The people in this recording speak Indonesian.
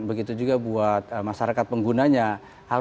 begitu juga buat masyarakat penggunanya